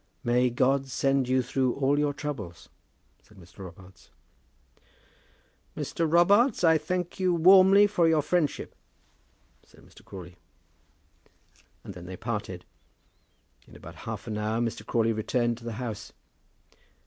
"May God send you through all your troubles," said Mr. Robarts. "Mr. Robarts, I thank you warmly, for your friendship," said Mr. Crawley. And then they parted. In about half an hour Mr. Crawley returned to the house.